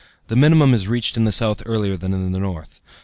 The minimum is reached in the south earlier than in the north.